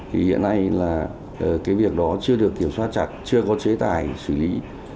hiện nay việc đó chưa được kiểm soát chặt chưa có chế tài xử lý